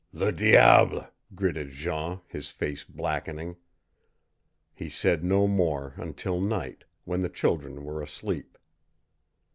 "Le diable!" gritted Jean, his face blackening. He said no more until night, when the children were asleep.